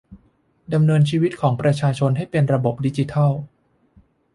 ดำเนินชีวิตของประชาชนให้เป็นระบบดิจิทัล